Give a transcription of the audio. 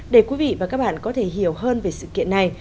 để quý vị và các bạn có thể hiểu hơn về sự kiện này